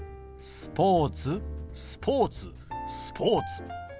「スポーツ」「スポーツ」「スポーツ」。